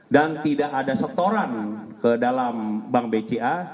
dan tidak ada setoran ke dalam bank bca